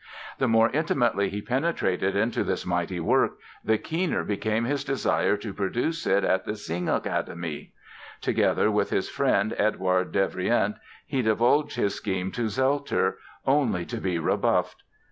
The more intimately he penetrated into this mighty work the keener became his desire to produce it at the Singakademie. Together with his friend, Eduard Devrient, he divulged his scheme to Zelter, only to be rebuffed.